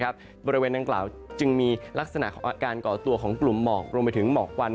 บริเวณดังกล่าวจึงมีลักษณะของการก่อตัวของกลุ่มหมอกรวมไปถึงหมอกควัน